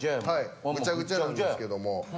はいぐちゃぐちゃなんですけども。